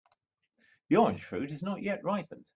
The orange fruit is not yet ripened.